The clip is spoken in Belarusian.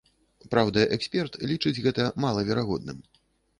Праўда, эксперт лічыць гэта малаверагодным.